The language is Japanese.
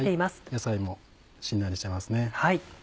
野菜もしんなりしてますね。